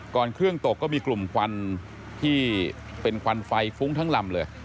เครื่องตกก็มีกลุ่มควันที่เป็นควันไฟฟุ้งทั้งลำเลย